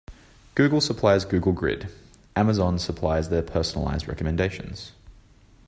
Google supplies Google Grid, Amazon supplies their personalized recommendations.